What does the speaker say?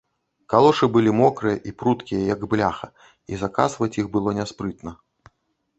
Калошы былі мокрыя і пруткія, як бляха, і закасваць іх было няспрытна.